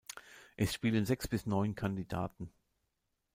Es spielen sechs bis neun Kandidaten.